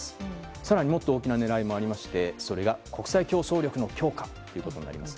更にもっと大きな狙いもありまして、それが国際競争力の強化ということです。